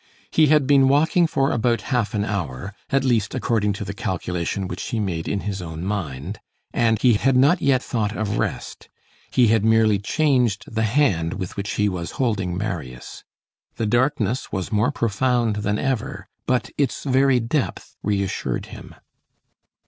He had been walking for about half an hour, at least according to the calculation which he made in his own mind, and he had not yet thought of rest; he had merely changed the hand with which he was holding Marius. The darkness was more profound than ever, but its very depth reassured him.